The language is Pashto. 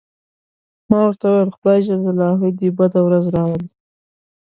ما ورته وویل: خدای دې پرې بده ورځ راولي.